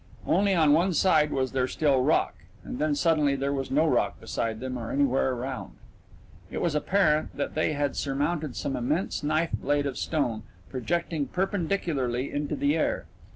Only on one side was there still rock and then suddenly there was no rock beside them or anywhere around. It was apparent that they had surmounted some immense knife blade of stone, projecting perpendicularly into the air.